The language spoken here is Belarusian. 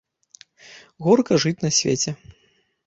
Горка жыць на свеце!